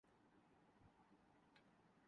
اس کے برخلاف ویلفیئر ریاست میں فرد مقدم ہوتا ہے۔